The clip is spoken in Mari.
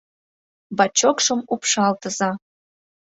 — Бачокшым упшалтыза!